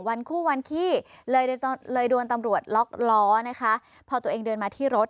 วันคู่วันขี้เลยเลยโดนตำรวจล็อกล้อนะคะพอตัวเองเดินมาที่รถ